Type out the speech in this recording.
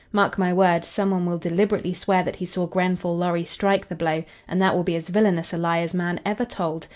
Mark my word, some one will deliberately swear that he saw Grenfall Lorry strike the blow and that will be as villainous a lie as man ever told.